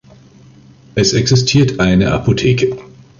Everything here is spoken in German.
Es existiert eine Apotheke.